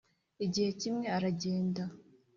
igihe kimwe aragenda